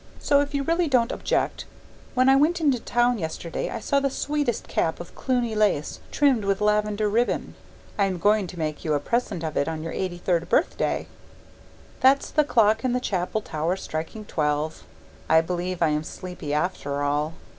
So, if you really don't object When I went into town yesterday, I saw the sweetest cap of Cluny lace trimmed with lavender ribbon. I am going to make you a present of it on your eighty third birthday. !!!!!!!!!!!! That's the clock in the chapel tower striking twelve. I believe I am sleepy after all.